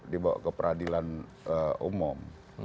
dibawa ke peradilan umum